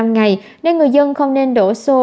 một mươi năm ngày nên người dân không nên đổ xô